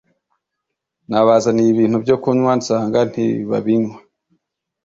Nabazaniye ibintu byo kunywa nsanga ntibabinywa